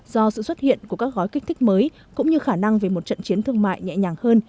do sự xuất hiện của các gói kích thích mới cũng như khả năng về một trận chiến thương mại nhẹ nhàng hơn